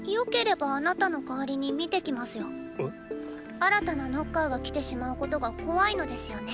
新たなノッカーが来てしまうことが怖いのですよね。